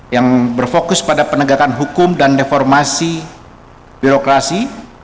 yang berfokus pada penegakan hukum dan reformasi birokrasi